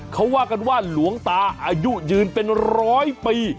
เขาว่ากันว่าหลวงตาอายุยืนเป็นร้อยปี